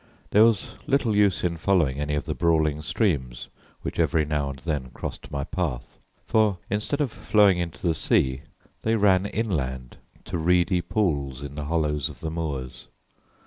There was little use in following any of the brawling streams which every now and then crossed my path, for, instead of flowing into the sea, they ran inland to reedy pools in the hollows of the moors.